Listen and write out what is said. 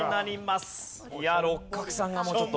六角さんがもうちょっと。